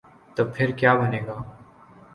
تو پھر کیابنے گا؟